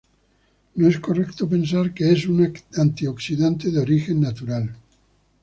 No es correcto pensar que es un antioxidante de origen natural.